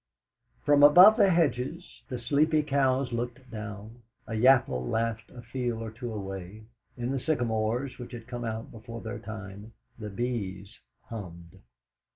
From above the hedges the sleepy cows looked down; a yaffle laughed a field or two away; in the sycamores, which had come out before their time, the bees hummed.